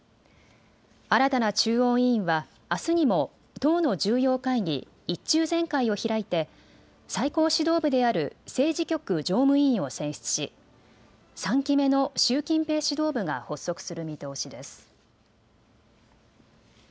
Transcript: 新たな中央委員は、あすにも党の重要会議、１中全会を開いて最高指導部である政治局常務委員を選出し３期目の習近平指導部が発足する見通しです。